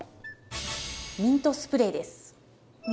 ミントスプレー？